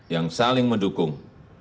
yang saling mendukung